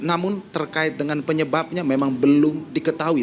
namun terkait dengan penyebabnya memang belum diketahui